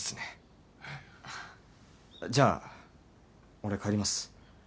じゃあ俺帰ります。